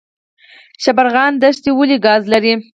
شبرغان دښتې ولې ګاز لري؟